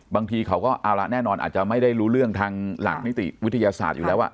บางทีเขาก็เอาละแน่นอนอาจจะไม่ได้รู้เรื่องทางหลักนิติวิทยาศาสตร์อยู่แล้ว